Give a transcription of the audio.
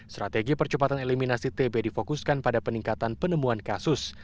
strategi percepatan eliminasi tb difokuskan pada peningkatan penemuan kasus